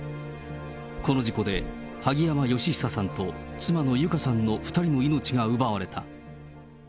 この事故で萩山嘉久さんと妻の友香さんの２人の命が奪われた。